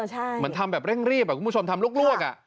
เหมือนทำแบบเร่งรีบเหมือนคุณผู้ชมทำลูกอ่ะ